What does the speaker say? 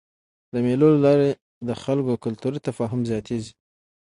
د مېلو له لاري د خلکو کلتوري تفاهم زیاتېږي.